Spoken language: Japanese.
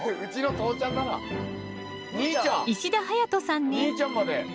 兄ちゃんまで。